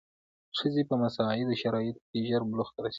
ښځې په مساعدو شرایطو کې ژر بلوغ ته رسېږي.